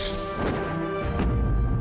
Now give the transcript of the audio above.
assalamualaikum warahmatullahi wabarakatuh